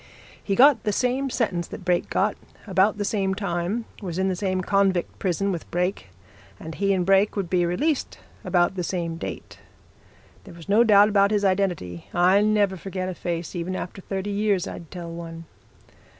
He got the same sentence that Brake got, about the same time, was in the same convict prison with Brake, and he and Brake would be released about the same date. There was no doubt about his identity I never forget a face, even after thirty years I'd tell one.